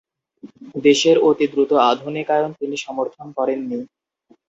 দেশের অতি দ্রুত আধুনিকায়ন তিনি সমর্থন করেননি।